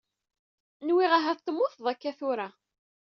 Nwiɣ ahat temmuteḍ akka tura.